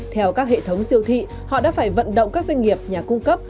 theo các hệ thống siêu thị họ đã phải vận động các doanh nghiệp nhà cung cấp